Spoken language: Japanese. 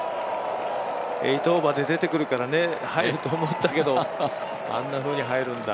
８オーバーで出てくるからね入ると思ったけどあんなふうに入るんだ。